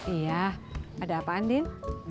iya ada apaan din